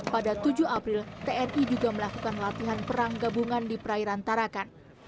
pada tujuh april tni juga melakukan latihan perang gabungan di perairan tarakan